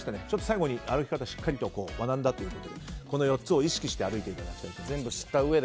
最後に歩き方をしっかりと学んだということでこの４つを意識して歩いていただきたい。